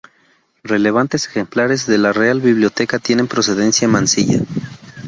Relevantes ejemplares de la Real Biblioteca tienen procedencia Mansilla.